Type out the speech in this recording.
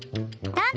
ダン！